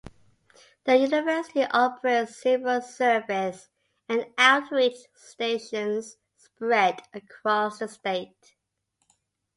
The university operates several service and outreach stations spread across the state.